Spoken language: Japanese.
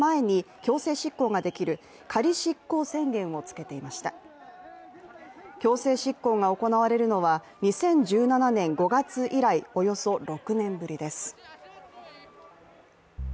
強制執行が行われるのは２０１７年５月以来、およそ６年ぶりです。